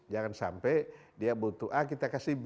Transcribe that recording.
jangan sampai dia butuh a kita kasih b